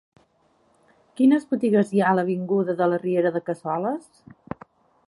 Quines botigues hi ha a l'avinguda de la Riera de Cassoles?